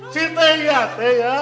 si teh iya teh ya